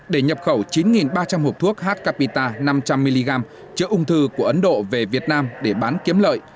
để nhập khẩu chín ba trăm linh hộp thuốc h capita năm trăm linh mg chữa ung thư của ấn độ về việt nam để bán kiếm lợi